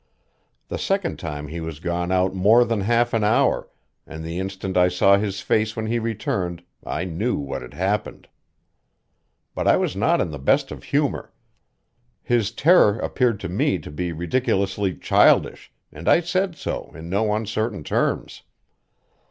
The second time he was gone out more than half an hour, and the instant I saw his face when he returned I knew what had happened. But I was not in the best of humor; his terror appeared to me to be ridiculously childish, and I said so in no uncertain terms.